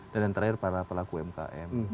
dan yang terakhir para pelaku umkm